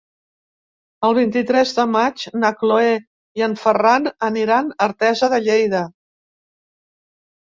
El vint-i-tres de maig na Cloè i en Ferran aniran a Artesa de Lleida.